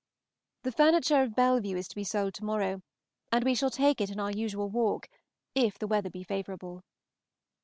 The furniture of Bellevue is to be sold to morrow, and we shall take it in our usual walk, if the weather be favorable.